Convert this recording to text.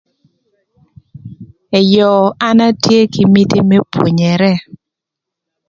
Eyo an atye kï miti më pwonyere.